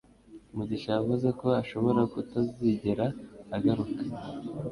Mugisha yavuze ko ashobora kutazigera agaruka.